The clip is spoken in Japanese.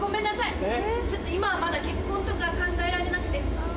ちょっと今はまだ結婚とか考えられなくて。